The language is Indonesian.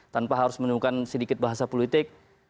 tanpa harus menemukan sedikit bahasa politik